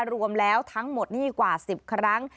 รวมแล้วทั้งหมดนี่กว่า๑๐ครั้ง